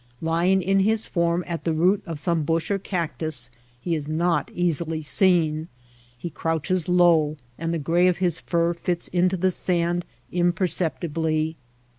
Lying in his form at the root of some bush or cactus he is not easily seen. He crouches low and the gray of his fur fits into the sand imperceptibly.